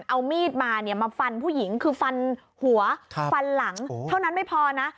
เอามีดมาเนี่ยมาฟันผู้หญิงคือฟันหัวฟันหลังเท่านั้นไม่พอนะ